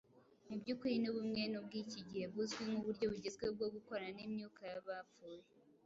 mu by’ukuri ni bumwe n’ubw’iki gihe buzwi nk’uburyo bugezweho bwo gukorana n’imyuka y’abapfuye.